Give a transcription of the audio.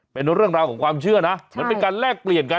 เป็นเรื่องราวของความเชื่อนะเหมือนเป็นการแลกเปลี่ยนกัน